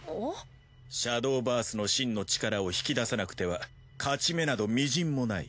シャドウバースの真の力を引き出さなくては勝ち目など微塵もない。